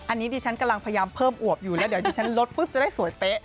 อันนี้ดิฉันกำลังพยายามเพิ่มอวบอยู่แล้วเดี๋ยวดิฉันลดปุ๊บจะได้สวยเป๊ะ